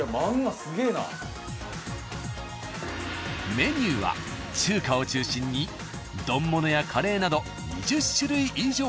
メニューは中華を中心に丼物やカレーなど２０種類以上。